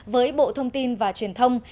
với bộ thông tin và truyền thông